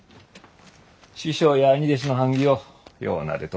師匠や兄弟子の版木をようなでとった。